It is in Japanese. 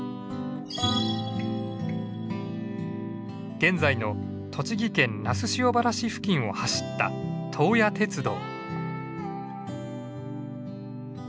現在の栃木県那須塩原市付近を走った東野鉄道。